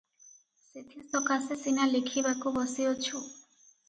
ସେଥିସକାଶେ ସିନା ଲେଖିବାକୁ ବସିଅଛୁ ।